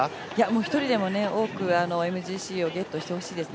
１人でも多くＭＧＣをゲットしてほしいですね。